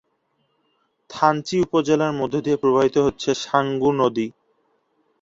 থানচি উপজেলার মধ্য দিয়ে প্রবাহিত হচ্ছে সাঙ্গু নদী।